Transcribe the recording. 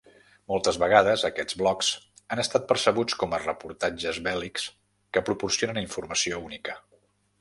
Moltes vegades aquests blogs han estat percebuts com a reportatges bèl·lics que proporcionen informació única.